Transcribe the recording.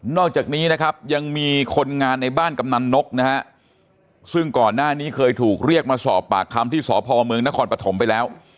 อกจากนี้นะครับยังมีคนงานในบ้านกำนันนกนะฮะซึ่งก่อนหน้านี้เคยถูกเรียกมาสอบปากคำที่สพเมืองนครปฐมไปแล้ว